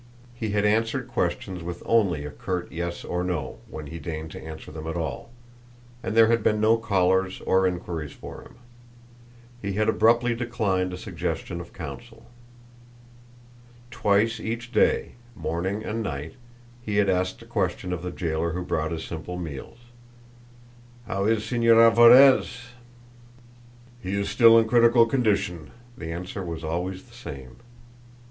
He had answered questions with only a curt yes or no when he deigned to answer them at all; and there had been no callers or inquiries for him. He had abruptly declined a suggestion of counsel. Twice each day, morning and night, he had asked a question of the jailer who brought his simple meals. "How is Señor Alvarez?" "He is still in a critical condition." The answer was always the same.